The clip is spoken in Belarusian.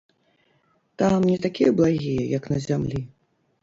Там не такія благія, як на зямлі.